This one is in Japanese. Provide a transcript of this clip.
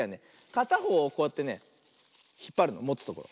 かたほうをこうやってねひっぱるのもつところ。